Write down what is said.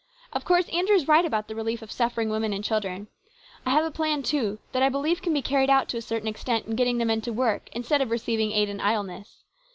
Of course Andrew is right about the relief of suffering women and children. I have a plan, too, that I believe can be carried out to a certain extent in getting the men to work instead of receiving aid in idleness.